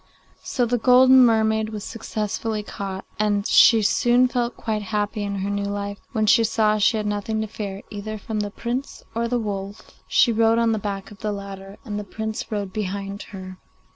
So the golden mermaid was successfully caught, and she soon felt quite happy in her new life when she saw she had nothing to fear either from the Prince or the wolf she rode on the back of the latter, and the Prince rode behind her.